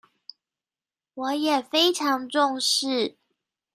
我也非常重視